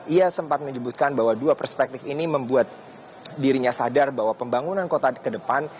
ia sempat menyebutkan bahwa dua perspektif ini membuat dirinya sadar bahwa pembangunan kota ke depan